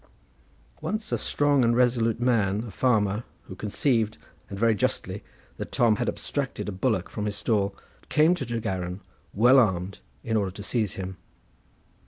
Once a strong and resolute man, a farmer, who conceived, and very justly, that Tom had abstracted a bullock from his stall, came to Tregaron well armed in order to seize him.